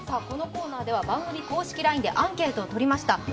このコーナーでは番組港資金ＬＩＮＥでアンケートをとりました。